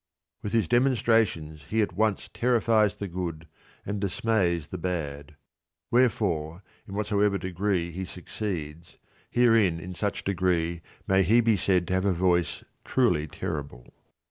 With his demonstrations he at once terrifies the good and dismays the bad ; wherefore, in whatsoever degree he succeeds, herein in such degree may he be said to have a voice truly terrible.